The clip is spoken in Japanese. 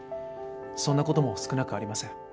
そんな事も少なくありません。